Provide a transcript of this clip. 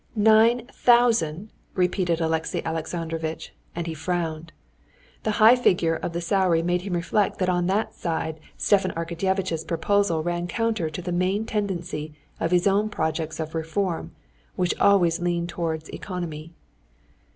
"Nine thousand!" repeated Alexey Alexandrovitch, and he frowned. The high figure of the salary made him reflect that on that side Stepan Arkadyevitch's proposed position ran counter to the main tendency of his own projects of reform, which always leaned towards economy.